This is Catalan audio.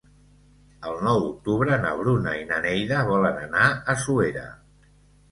El nou d'octubre na Bruna i na Neida volen anar a Suera.